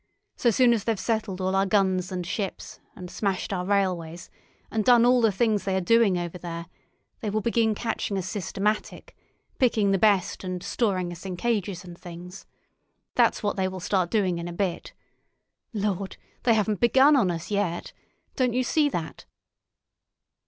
So soon as they've settled all our guns and ships, and smashed our railways, and done all the things they are doing over there, they will begin catching us systematic, picking the best and storing us in cages and things. That's what they will start doing in a bit. Lord! They haven't begun on us yet. Don't you see that?"